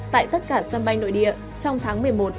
tại tất cả sân bay nội địa trong tháng một mươi một